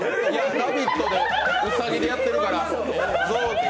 「ラヴィット！」のうさぎでやってるから。